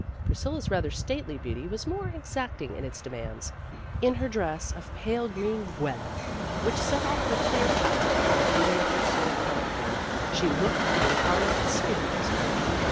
Priscilla's rather stately beauty was more exacting in its demands. In her dress of pale green voile, which set off her clear pallor and the beauty of her smooth, dark hair, she looked the incarnate spirit of spring.